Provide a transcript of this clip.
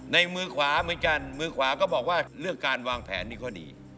ในมือขวาเหมือนกันมือขวาก็บอกว่าเรื่องการวางแผนนี่ก็ดี